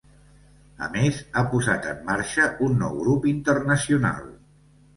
A més ha posat en marxa un nou grup internacional.